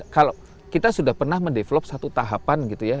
kalau kita sudah pernah mendevelop satu tahapan gitu ya